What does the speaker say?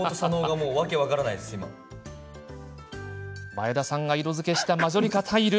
前田さんが色付けしたマジョリカタイル。